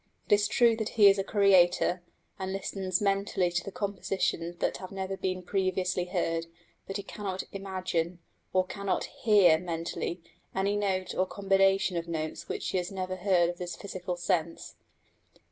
It is true that he is a creator, and listens mentally to compositions that have never been previously heard; but he cannot imagine, or cannot hear mentally, any note or combination of notes which he has never heard with his physical sense.